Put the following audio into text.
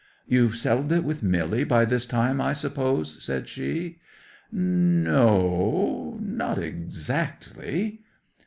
'"You've settled it with Milly by this time, I suppose," said she. '"N no, not exactly."